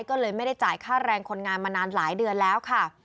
ก็เลยไม่ได้จ่ายค่าแรงคนงานมานานหลายเดือนแล้วค่ะ